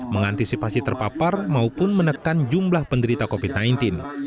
mengantisipasi terpapar maupun menekan jumlah penderita covid sembilan belas